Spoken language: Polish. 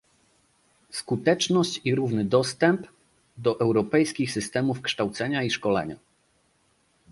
Skuteczność i równy dostęp do europejskich systemów kształcenia i szkolenia